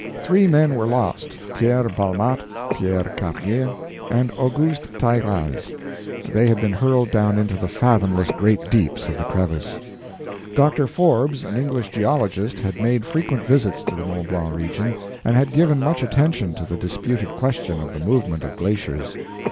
Three men were lost Pierre Balmat, Pierre Carrier, and Auguste Tairraz. They had been hurled down into the fathomless great deeps of the crevice. Dr. Forbes, the English geologist, had made frequent visits to the Mont Blanc region, and had given much attention to the disputed question of the movement of glaciers.